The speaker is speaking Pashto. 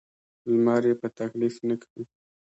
لمر یې په تکلیف نه کړي.